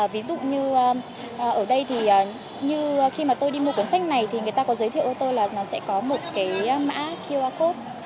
ví dụ như ở đây thì như khi mà tôi đi mua cuốn sách này thì người ta có giới thiệu ô tô là nó sẽ có một cái mã qr code